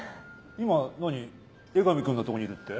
今何江上君のとこにいるって？